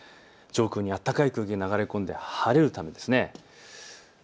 上空に暖かい空気が流れ込んで晴れるためです。